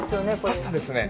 パスタですね。